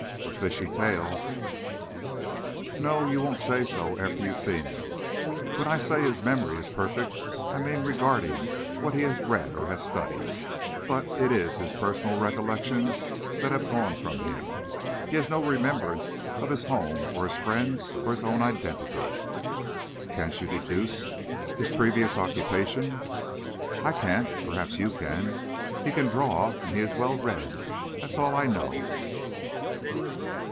"A fishy tale!" "No; you won't say so after you've seen him. When I say his memory is perfect, I mean regarding what he has read or has studied. But it is his personal recollections that have gone from him. He has no remembrance of his home or his friends or his own identity." "Can't you deduce his previous occupation?" "I can't. Perhaps you can. He can draw, and he is well read, that's all I know."